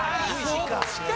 そっちか！